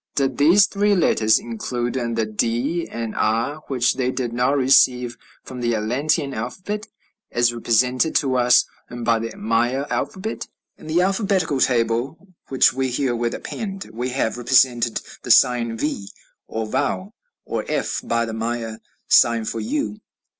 Did these three letters include the d and r, which they did not receive from the Atlantean alphabet, as represented to us by the Maya alphabet? In the alphabetical table which we herewith append we have represented the sign V, or vau, or f, by the Maya sign for U.